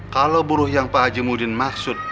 kalau buruh yang pak haji mudin maksud